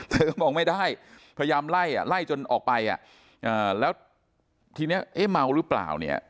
เธอก็บอกไม่ได้พยายามไล่อ่ะไล่ไล่จนออกไปอ่ะแล้วทีนี้เอ๊ะเมาหรือเปล่าเนี่ย